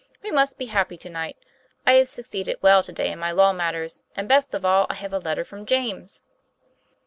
' We must be happy to night. I have succeeded well to day in my law matters; and, best of all, I have a letter from James."